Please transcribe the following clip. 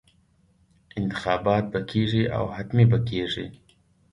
انتخابات به کېږي او حتمي به کېږي.